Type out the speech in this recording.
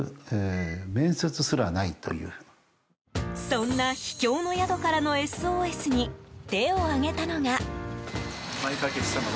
そんな秘境の宿からのＳＯＳに手を挙げたのが。